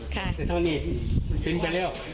แต่ท่านี้ติ้นไปแล้ว